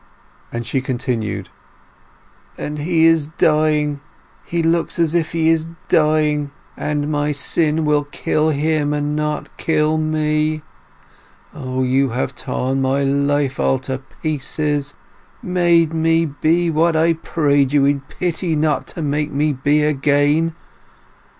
She continued: "And he is dying—he looks as if he is dying!... And my sin will kill him and not kill me!... O, you have torn my life all to pieces ... made me be what I prayed you in pity not to make me be again!...